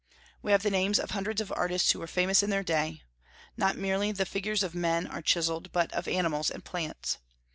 We have the names of hundreds of artists who were famous in their day. Not merely the figures of men are chiselled, but of animals and plants.